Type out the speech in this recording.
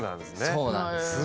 そうなんです。